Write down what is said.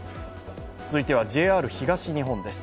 続いてはＪＲ東日本です。